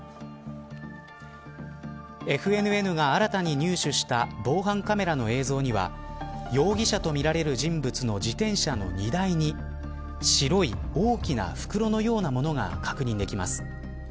ＦＮＮが新たに入手した防犯カメラの映像には容疑者とみられる人物の自転車の荷台に白い大きな袋のようなものが確認できます。